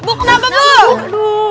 bu kenapa bu